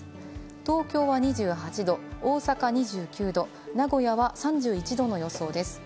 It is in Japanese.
東京は２８度、大阪２９度、名古屋は３１度の予想です。